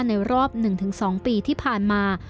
รอบ๑๒ปีที่ผ่านมา